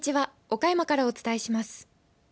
岡山からお伝えします。